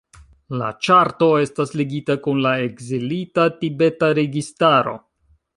La ĉarto estas ligita kun la Ekzilita tibeta registaro.